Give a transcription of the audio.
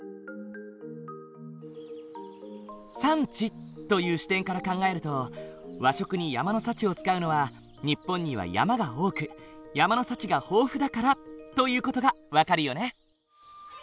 「山地」という視点から考えると和食に山の幸を使うのは日本には山が多く山の幸が豊富だからという事が分かるよね。